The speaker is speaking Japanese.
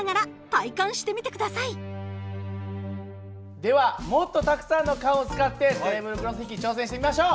ではもっとたくさんの缶を使ってテーブルクロス引き挑戦してみましょう。